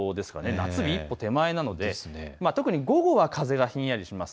夏日一歩手前なので、特に午後は風がひんやりします。